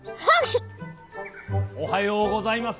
おはようございます。